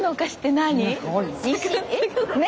何？